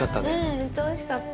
めっちゃおいしかった。